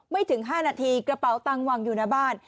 ไม่ถึง๕นาทีกระเป๋าตังวางอยู่ในบ้าน